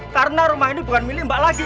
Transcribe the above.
karena rumah ini bukan milih mbak lagi